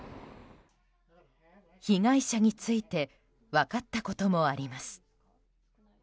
被害者について分かったこともあります。